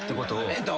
えっと。